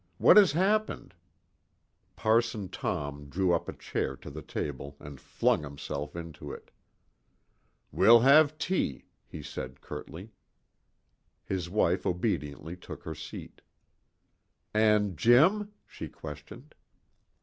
"What has happened?" Parson Tom drew a chair up to the table and flung himself into it. "We'll have tea," he said curtly. His wife obediently took her seat. "And Jim?" she questioned.